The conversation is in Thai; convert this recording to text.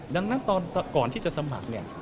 ดังนั้นตอนก่อนที่จะสมัครเนี่ย